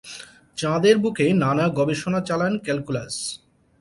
চাঁদের বুকে নানা গবেষণা চালান ক্যালকুলাস।